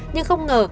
nhưng không ngờ